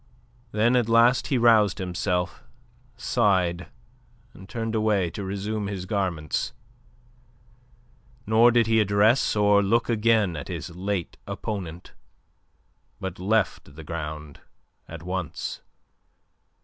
Then at last he roused himself, sighed, and turned away to resume his garments, nor did he address or look again at his late opponent, but left the ground at once.